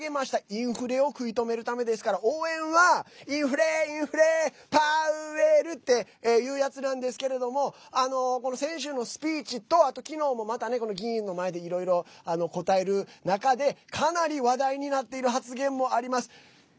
インフレを食い止めるためですから、応援はインフレー、インフレーパ・ウ・エ・ル！っていうやつなんですけども先週のスピーチときのうも、またね議員の前で、いろいろ答える中でかなり話題になっている発言もあります。